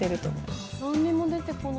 何にも出てこない。